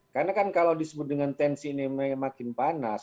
karena kan kalau disebut dengan tensi ini makin panas